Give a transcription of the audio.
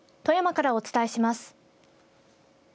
富山からお伝えします。